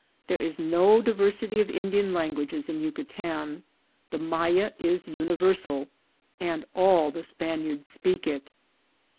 There is no di versity of Indian languages in Yucatan ; the Maya is universal, and all the Spaniards speak it.